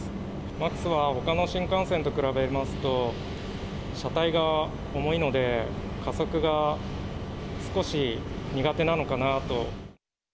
Ｍａｘはほかの新幹線と比べますと、車体が重いので、加速が少し苦手なのかなと。